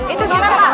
itu gimana pak